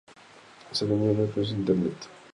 se adueñó de las conexiones a Internet